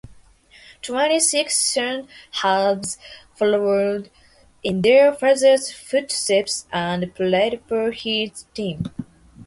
Twenty-six sons have followed in their fathers' footsteps and played for his team.